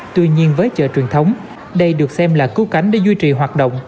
tuy nhiên với chợ truyền thống đây được xem là cứu cánh để duy trì hoạt động